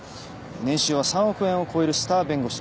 年収は３億円を超えるスター弁護士。